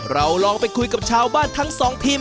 เราลองไปคุยกับชาวบ้านทั้งสองทีม